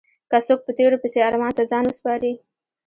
که څوک په تېرو پسې ارمان ته ځان وسپاري.